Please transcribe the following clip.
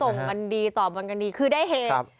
แล้วส่งกันดีต่อบันกันดีคือได้เหตุ